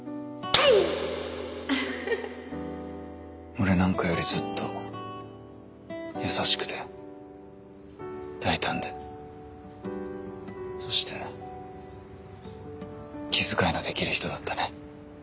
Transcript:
俺なんかよりずっと優しくて大胆でそして気遣いのできる人だったね。